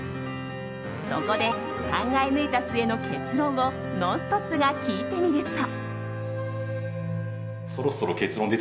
そこで考え抜いた末の結論を「ノンストップ！」が聞いてみると。